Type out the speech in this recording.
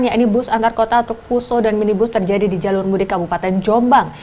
yakni bus antar kota truk fuso dan minibus terjadi di jalur mudik kabupaten jombang